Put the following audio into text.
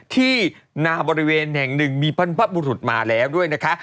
ที่นาบริเวณแห่งหนึ่งมีบรรพบุรุษมาแล้วด้วยนะคะ